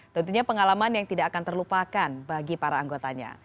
tentunya pengalaman yang tidak akan terlupakan bagi para anggotanya